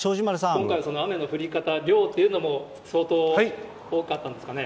今回、その雨の降り方、量っていうのも、相当多かったんですかね。